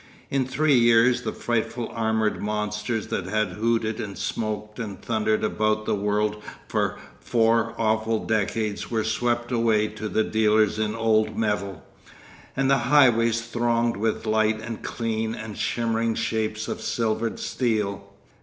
In three years the frightful armoured monsters that had hooted and smoked and thundered about the world for four awful decades were swept away to the dealers in old metal, and the highways thronged with light and clean and shimmering shapes of silvered steel.